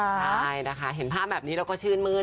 ใช่นะคะเห็นภาพแบบนี้เราก็ชื่นมื้น